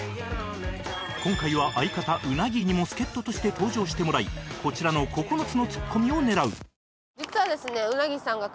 今回は相方鰻にも助っ人として登場してもらいこちらの９つのツッコミを狙う